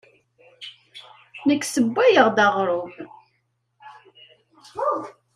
Nekk ssewwayeɣ-d aɣrum.